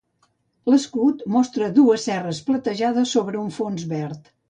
L'escut mostra dues serres platejades sobre un fons verd.